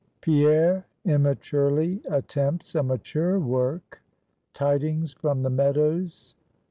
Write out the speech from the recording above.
PIERRE IMMATURELY ATTEMPTS A MATURE WORK. TIDINGS FROM THE MEADOWS.